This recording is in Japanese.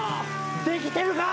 できてるか！